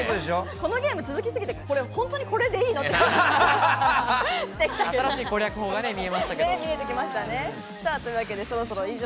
このゲーム続きすぎて、本当にこれでいいのっていう。